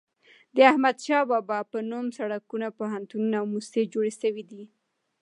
د احمد شاه بابا په نوم سړکونه، پوهنتونونه او موسسې جوړي سوي دي.